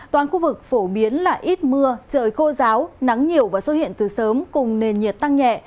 toàn khu vực phổ biến là ít mưa trời khô ráo nắng nhiều và xuất hiện từ sớm cùng nền nhiệt tăng nhẹ